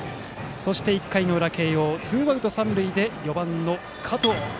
そして１回裏、慶応ツーアウト、三塁で４番の加藤。